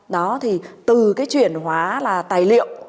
đó thì từ cái chuyển hóa là tài liệu